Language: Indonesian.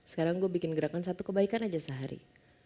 sekarang gue bikin gerakan satu kebaikan aja sehari